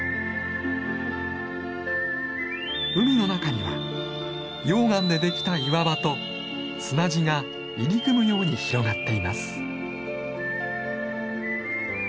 海の中には溶岩できた岩場と砂地が入り組むように広がっています。